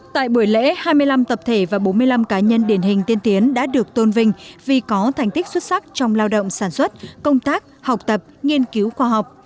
tại buổi lễ hai mươi năm tập thể và bốn mươi năm cá nhân điển hình tiên tiến đã được tôn vinh vì có thành tích xuất sắc trong lao động sản xuất công tác học tập nghiên cứu khoa học